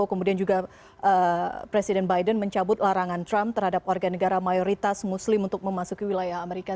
kemudian juga presiden biden mencabut larangan trump terhadap warga negara mayoritas muslim untuk memasuki wilayah amerika